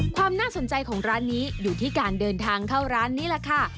ความน่าสนใจของร้านนี้อยู่ที่การเดินทางเข้าร้านนี้แหละค่ะ